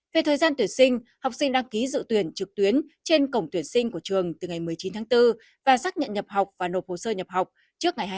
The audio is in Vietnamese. về thời gian tuyển sinh học sinh đăng ký dự tuyển trực tuyến trên cổng tuyển sinh của trường từ ngày một mươi chín tháng bốn và xác nhận nhập học và nộp hồ sơ nhập học trước ngày hai mươi hai